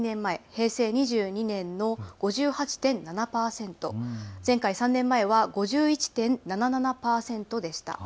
平成２２年の５８．７％、前回、３年前は５１．７７％でした。